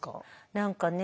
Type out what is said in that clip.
何かね